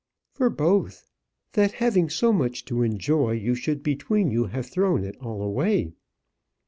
"For both; that, having so much to enjoy, you should between you have thrown it all away."